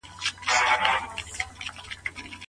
ښوونکی کولای سي ستونزې حل کړي.